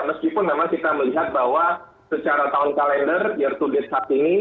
meskipun memang kita melihat bahwa secara tahun kalender year to date saat ini